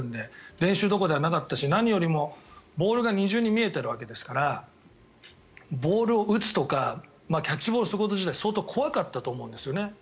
練習どころではなかったし何よりもボールが二重に見えているわけですからボールを打つとかキャッチボールをすること自体が相当怖かったと思うんですよね。